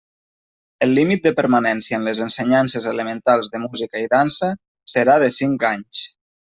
El límit de permanència en les ensenyances elementals de Música i Dansa serà de cinc anys.